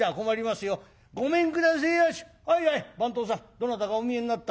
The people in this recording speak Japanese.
どなたかお見えになったよ」。